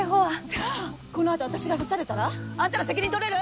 じゃあこの後私が刺されたらあんたら責任取れる？